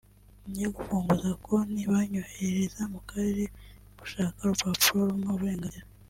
njya gufunguza konti banyohereza mu karere gushaka urupapuro rumpa uburenganzira